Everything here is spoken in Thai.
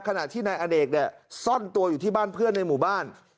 ขณะที่นายอเนกเนี่ยซ่อนตัวอยู่ที่บ้านเพื่อนในหมู่บ้าน